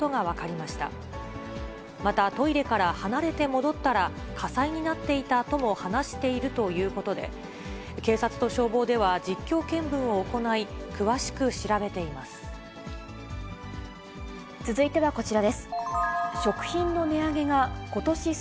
また、トイレから離れて戻ったら、火災になっていたとも話しているということで、警察と消防では実況見分を行い、詳しく調べています。